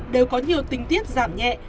đều có nhiều tình tiết giảm nhẹ